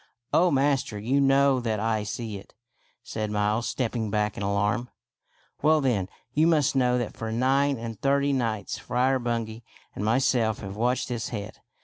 " Oh, master, you know that I see it," said Miles, stepping back in alarm. " Well, then, you must kiiow that for nine and thirty nights Friar Bungay and myself have watched this head.